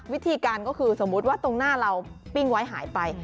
วิธีการก็คือสมมุติว่าตรงหน้าเราปิ้งไว้หายไป